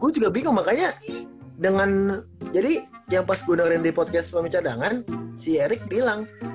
gue juga bingung makanya dengan jadi yang pas gunakan di podcast pemain cadangan si erick bilang